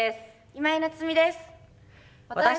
今井菜津美です。